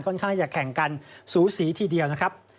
ข้างจะแข่งกันสูสีทีเดียวนะครับ